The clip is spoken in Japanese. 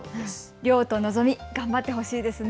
りょうとのぞみ、頑張ってほしいですね。